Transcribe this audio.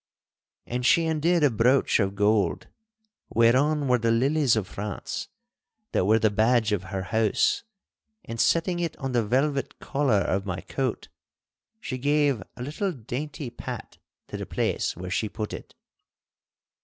And she undid a brooch of gold whereon were the lilies of France, that were the badge of her house, and setting it on the velvet collar of my coat she gave a little dainty pat to the place where she put it.